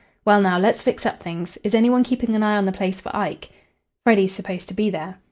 Well now, let's fix up things. Is any one keeping an eye on the place for Ike?" "Freddy's supposed to be there."